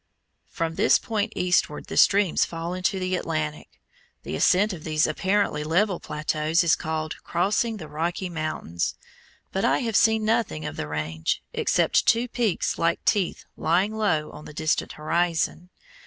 From this point eastward the streams fall into the Atlantic. The ascent of these apparently level plateaus is called "crossing the Rocky Mountains," but I have seen nothing of the range, except two peaks like teeth lying low on the distant horizon.